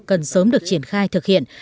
cần sớm được triển khai thực hiện